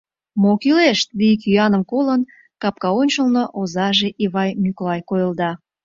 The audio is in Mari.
Мо кӱлеш?!. — тиде йӱк-йӱаным колын, капкаончылно озаже Ивай Мӱклай койылда.